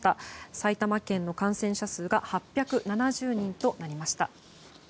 埼玉県の感染者数が８７０人となりました。